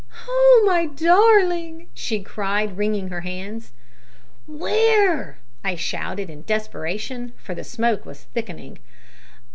"Oh! my darling!" she cried, wringing her hands. "Where?" I shouted in desperation, for the smoke was thickening.